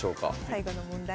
最後の問題